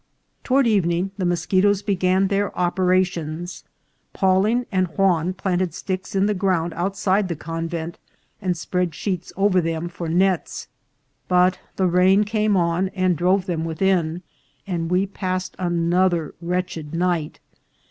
Toward evening the moschetoes began their opera tions. Pawling and Juan planted sticks in the ground outside the consent, and spread sheets over them for nets ; but the rain came on and drove them within, and we passed another wretched night.